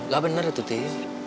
tidak ada itu din